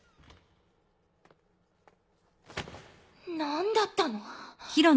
何だったの？